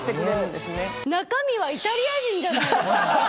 中身はイタリア人じゃないですか。